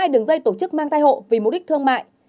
hai đường dây tổ chức mang thai hộ vì mục đích thương mại